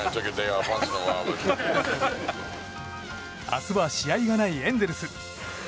明日は試合がないエンゼルス。